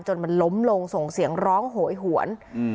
มันล้มลงส่งเสียงร้องโหยหวน